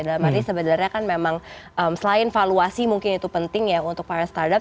dalam arti sebenarnya kan memang selain valuasi mungkin itu penting ya untuk para startup